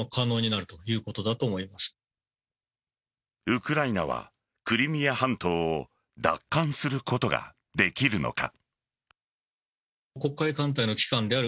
ウクライナはクリミア半島を奪還することができるのか。